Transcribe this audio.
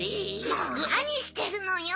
もうなにしてるのよ！